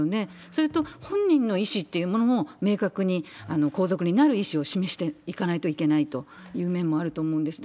それと、本人の意思っていうものも、明確に皇族になる意思を示していかないといけないという面もあると思うんです。